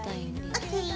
ＯＫ。